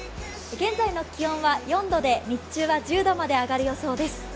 現在の気温は４度で日中は１０度まで上がる予想です。